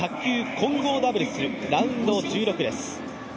混合ダブルスラウンド１６です。